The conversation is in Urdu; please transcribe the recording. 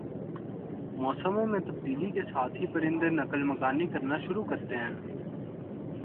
موسموں میں تبدیلی کے ساتھ ہی پرندے نقل مکانی کرنا شروع کرتے ہیں